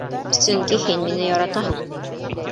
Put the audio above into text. Сөнки һин мине яратаһың.